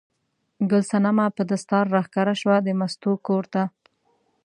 ګل صنمه په دستار راښکاره شوه د مستو کور ته.